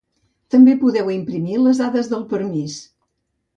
També podeu imprimir les dades del permís.